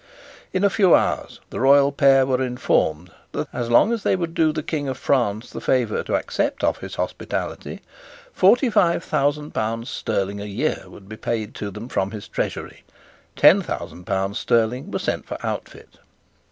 In a few hours the royal pair were informed that, as long as they would do the King of France the favour to accept of his hospitality, forty five thousand pounds sterling a year would be paid them from his treasury. Ten thousand pounds sterling were sent for outfit.